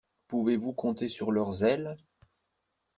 Pouvez-vous compter sur leur zèle?